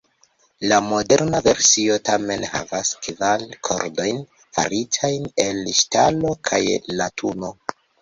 La moderna versio tamen havas kvar kordojn faritajn el ŝtalo kaj latuno.